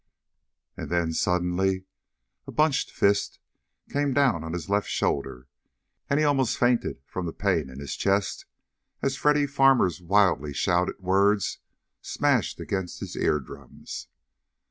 And then, suddenly, a bunched fist came down on his left shoulder, and he almost fainted from the pain in his chest as Freddy Farmer's wildly shouted words smashed against his ear drums.